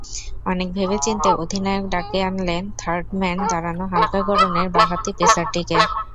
অনেক ভেবেচিন্তে অধিনায়ক ডেকে আনলেন থার্ডম্যানে দাঁড়ানো হালকা গড়নের বাঁহাতি পেসারটিকে।